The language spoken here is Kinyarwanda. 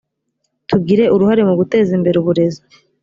tugire uruhare mu guteza imbere uburezi .